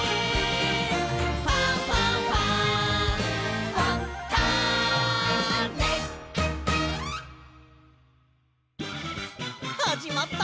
「ファンファンファン」はじまった！